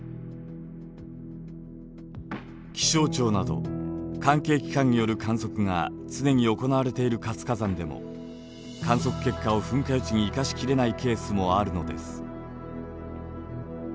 気象庁など関係機関による観測が常に行われている活火山でも観測結果を噴火予知に生かしきれないケースもあるのです。